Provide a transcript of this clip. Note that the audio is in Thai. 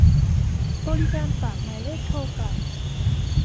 บริการฝากหมายเลขโทรกลับ